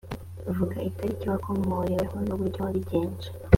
vuga itariki wakomoreweho n uburyo wabigenje